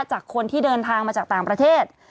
จากคนที่เดินทางมาจากต่างประเทศ